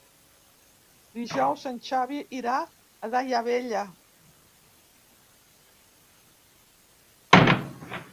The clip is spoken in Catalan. Dijous en Xavi irà a Daia Vella.